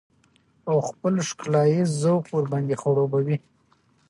او خپل ښکلاييز ذوق ورباندې خړوبه وي.